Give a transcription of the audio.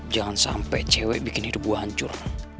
jangan sampe cewek bikin hidup gue hancur